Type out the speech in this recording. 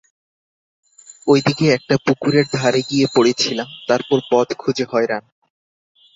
ওইদিকে একটা পুকুরের ধারে গিয়ে পড়েছিলাম, তারপর পথ খুজে হয়রান।